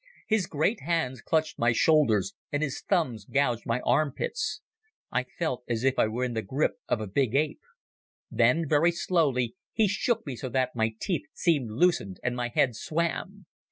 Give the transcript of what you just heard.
His great hands clutched my shoulders, and his thumbs gouged my armpits. I felt as if I were in the grip of a big ape. Then very slowly he shook me so that my teeth seemed loosened and my head swam.